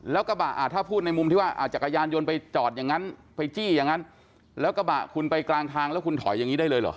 แล้วกระบะถ้าพูดในมุมที่ว่าจักรยานยนต์ไปจอดอย่างนั้นไปจี้อย่างนั้นแล้วกระบะคุณไปกลางทางแล้วคุณถอยอย่างนี้ได้เลยเหรอ